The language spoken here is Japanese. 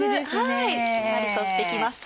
だいぶしんなりとしてきました。